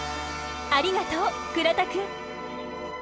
ありがとう倉田くん。